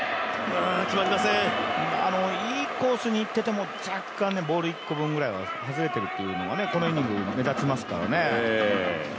いいコースにいっててもボール１個分ぐらいは外れてるのがこのイニング、目立ちますからね。